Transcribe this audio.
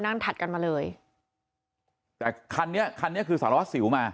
ถัดกันมาเลยแต่คันนี้คันนี้คือสารวัสสิวมา